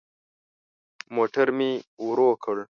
موټر مي ورو کړ .